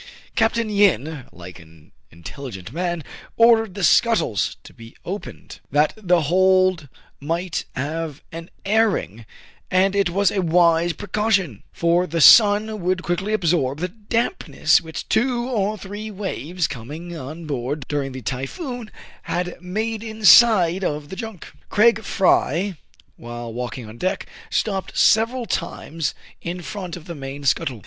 Capt. Yin, like an intelligent man, ordered the scuttles to be opened, that the hold might have an airing : and it was a wise precaution ; for the sun would quickly absorb the dampness which two or three waves, coming on board during the typhoon, had made inside of the junk. Craig Fry, while walking on deck, stopped sev eral times in front of the main scuttle.